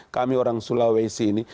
kami orang sulawesi ini